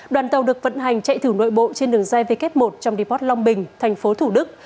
đoàn tàu được vận hành chạy thử nội bộ trên đường dây w một trong deport long bình thành phố thủ đức